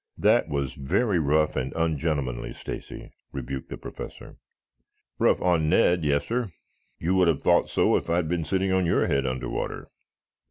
"That was very rough and ungentlemanly, Stacy," rebuked the Professor. "Rough on Ned, yes, sir. You would have thought so if I'd been sitting on your head under water."